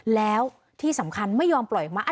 แล้วที่สำคัญไม่ยอมปล่อยออกมา